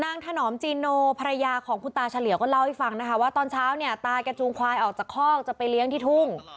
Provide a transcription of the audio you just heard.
ถนอมจีโนภรรยาของคุณตาเฉลี่ยวก็เล่าให้ฟังนะคะว่าตอนเช้าเนี่ยตาแกจูงควายออกจากคอกจะไปเลี้ยงที่ทุ่ง